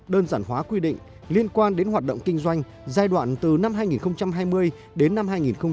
đơn giản hóa quy định liên quan đến hoạt động kinh doanh giai đoạn từ năm hai nghìn hai mươi đến năm hai nghìn hai mươi